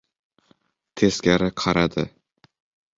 Teskari qaradi.